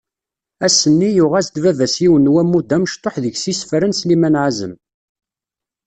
Ass nni, yuγ-as-d baba-s yiwen n wammud amecṭuḥ deg-s isefra n Sliman Azem.